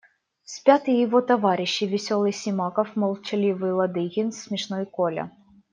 Спят и его товарищи: веселый Симаков, молчаливый Ладыгин, смешной Коля.